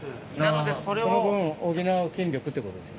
その分を補う筋力ってことですよね。